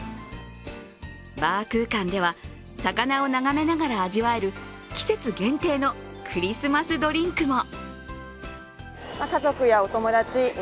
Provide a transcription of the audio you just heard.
バー空間では魚を眺めながら味わえる季節限定のクリスマスドリンクも。